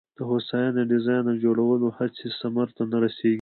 د هوساینه د ډیزاین او جوړولو هڅې ثمر ته نه رسېږي.